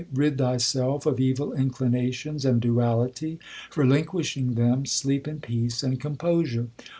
Rid thyself of evil inclinations and duality ; Relinquishing them sleep in peace and composure.